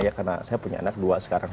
ya karena saya punya anak dua sekarang